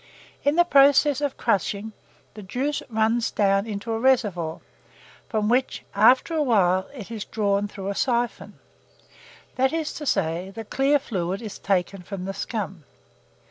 In the process of crushing, the juice runs down into a reservoir, from which, after a while, it is drawn through a siphon; that is to say, the clear fluid is taken from the scum.